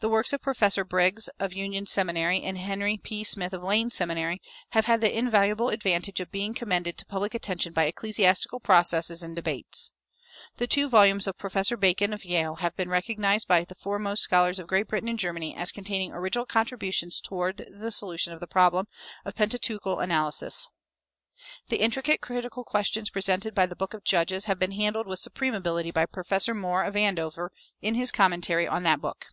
The works of Professors Briggs, of Union Seminary, and Henry P. Smith, of Lane Seminary, have had the invaluable advantage of being commended to public attention by ecclesiastical processes and debates. The two volumes of Professor Bacon, of Yale, have been recognized by the foremost scholars of Great Britain and Germany as containing original contributions toward the solution of the problem of Pentateuchal analysis. The intricate critical questions presented by the Book of Judges have been handled with supreme ability by Professor Moore, of Andover, in his commentary on that book.